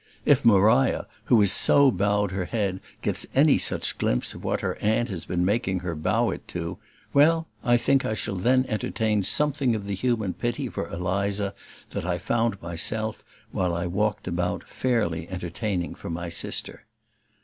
If Maria, who has so bowed her head, gets any such glimpse of what her aunt has been making her bow it to well, I think I shall then entertain something of the human pity for Eliza, that I found myself, while I walked about, fairly entertaining for my sister.